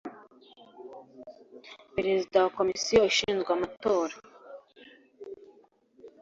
Perezida wa Komisiyo ishinzwe amatora